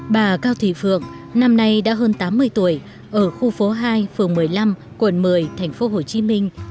bà cao thủy phượng năm nay đã hơn tám mươi tuổi ở khu phố hai phường một mươi năm quận một mươi tp hcm